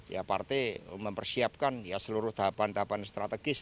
ya partai mempersiapkan ya seluruh tahapan tahapan strategis